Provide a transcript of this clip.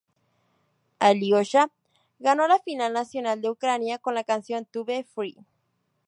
Alyosha ganó la final nacional de Ucrania con la canción ""To be free"".